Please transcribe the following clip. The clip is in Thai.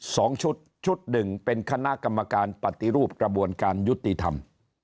สองชุดชุดหนึ่งเป็นคณะกรรมการปฏิรูปกระบวนการยุติธรรม